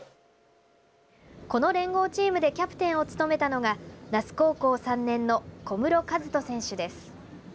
この連合チームでキャプテンを務めたのが那須高校３年の小室寿仁選手です。